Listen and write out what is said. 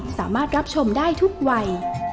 สามารถรับชมได้ทุกวัย